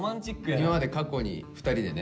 今まで過去に２人でね